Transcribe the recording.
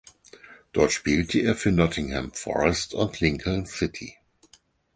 Dort spielte er für Nottingham Forest und Lincoln City.